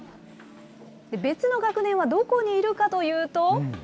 別の学年はどこにいるかというと。